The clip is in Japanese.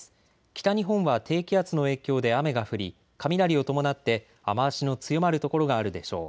北日本は低気圧の影響で雨が降り雷を伴って雨足の強まる所があるでしょう。